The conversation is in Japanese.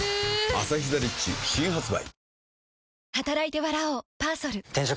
「アサヒザ・リッチ」新発売